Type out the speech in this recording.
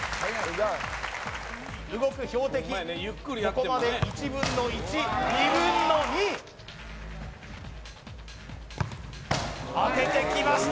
動く標的、ここまで１分の１、２分の２！当ててきました、